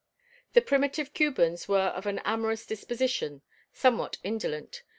The primitive Cubans were of an amorous disposition, somewhat indolent.